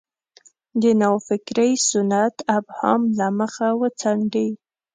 د نوفکرۍ سنت ابهام له مخه وڅنډي.